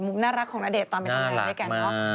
มุมน่ารักของณเดชน์ตอนไปกัน